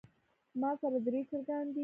ماسره درې چرګان دي